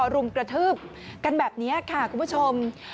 รุมกระทืบกันแบบนี้ค่ะคุณผู้ชม